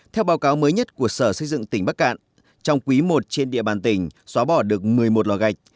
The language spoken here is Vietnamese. theo báo cáo mới nhất của sở xây dựng tỉnh bắc cạn trong quý i trên địa bàn tỉnh xóa bỏ được một mươi một lò gạch